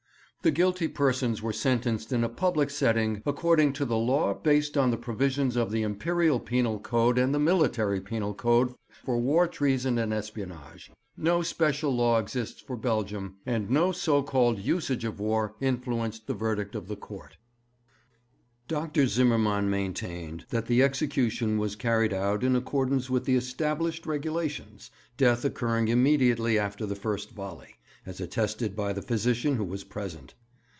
'The guilty persons were sentenced in a public sitting according to the law based on the provisions of the imperial penal code and the military penal code for war treason and espionage. No special law exists for Belgium, and no so called "usage of war" influenced the verdict of the court.' Dr. Zimmermann maintained that the execution was carried out in accordance with the established regulations, death occurring immediately after the first volley, as attested by the physician who was present.